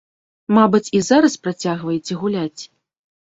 Мабыць, і зараз працягваеце гуляць?